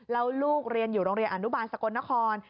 แล้วลูกเรียนอยู่โรงเรียนอนุบาลสกลนคร